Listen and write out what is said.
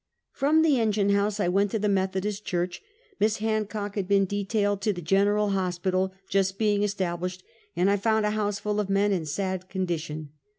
From the engine house I went to the Methodist church. Miss liar cock had been detailed to the Gen eral Hospital, just being established, and I found a house full of men in a sad condition.